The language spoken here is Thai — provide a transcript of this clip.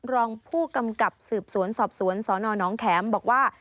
รองผู้กำกับสืบสวนสอบสวนสนน้องแข็มบอกว่า